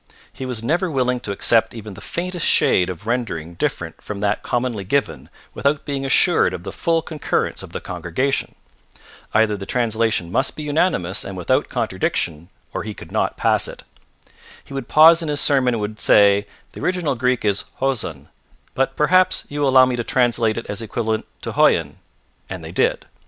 He was never willing to accept even the faintest shade of rendering different from that commonly given without being assured of the full concurrence of the congregation. Either the translation must be unanimous and without contradiction, or he could not pass it. He would pause in his sermon and would say: "The original Greek is 'Hoson,' but perhaps you will allow me to translate it as equivalent to 'Hoyon.'" And they did.